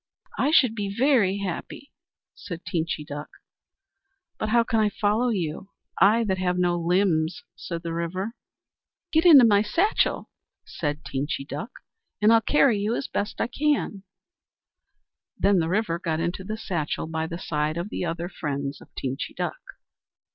"I should be very happy," said Teenchy Duck. "But how can I follow you I that have no limbs?" said the River. "Get into my satchel," said Teenchy Duck. "I'll carry you as best I can." Then the River got into the satchel by the side of the other friends of Teenchy Duck.